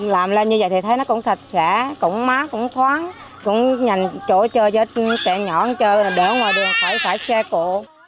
làm lên như vậy thì thấy nó cũng sạch sẽ cũng mát cũng thoáng cũng nhanh chỗ chơi cho trẻ nhỏ chơi đỡ ngoài đường khỏi xe cổ